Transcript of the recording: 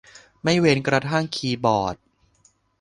ไม่เว้นกระทั่งคีย์บอร์ด